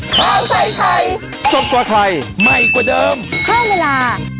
ข้าวใส่ไทยสดกว่าไทยใหม่กว่าเดิมเพิ่มเวลา